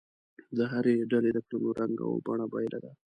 د هرې ډلې د کړنو رنګ او بڼه بېله ده.